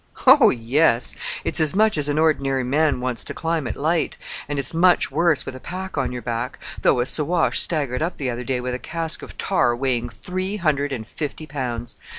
"Oh, yes. It's as much as an ordinary man wants to climb it light, and it's much worse with a pack on your back, though a Siwash staggered up the other day with a cask of tar weighing three hundred and fifty pounds.